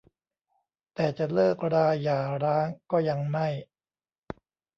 แต่จะเลิกราหย่าร้างก็ยังไม่